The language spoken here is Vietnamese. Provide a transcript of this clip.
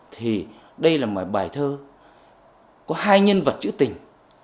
thì đây là bài thơ có hai nhân vật chữ tình